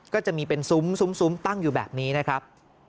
ก็จะมีเป็นซุ้มซุ้มตั้งอยู่แบบนี้นะครับ